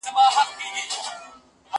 ته ولي سبزیجات تياروې،